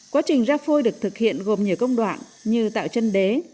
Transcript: quá trình ra phôi được thực hiện gồm nhiều công đoạn như tạo chân đế